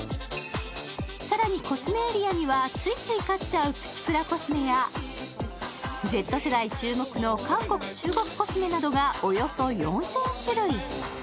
更に、コスメエリアにはついつい買っちゃうプチプラコスメやＺ世代注目の韓国、中国コスメなどがおよそ４０００種類。